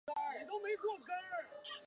弯肢溪蟹为溪蟹科溪蟹属的动物。